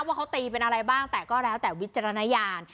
ว่าเขาตีเป็นอะไรบ้างแต่ก็แล้วแต่วิจารณญาณ